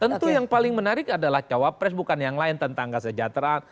tentu yang paling menarik adalah cawapres bukan yang lain tentang kesejahteraan